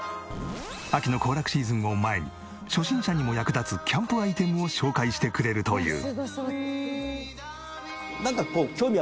秋の行楽シーズンを前に初心者にも役立つキャンプアイテムを紹介してくれるという。